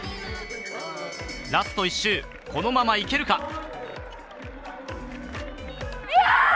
ラスト１周、このままいけるか。